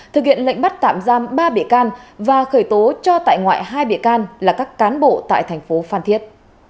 thực hiện lệnh bắt tạm giam ba bị can và khởi tố cho tại ngoại hai bị can là các cán bộ tại thành phố phan thiết